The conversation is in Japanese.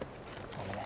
ごめんね。